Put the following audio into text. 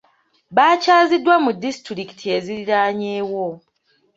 Bakyaziddwa mu disitulikiti eziriraanyeewo.